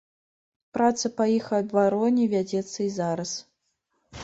Праца па іх абароне вядзецца і зараз.